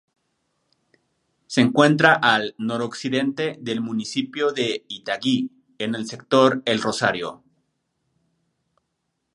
Se encuentra al noroccidente del municipio de Itagüí en el "sector el Rosario".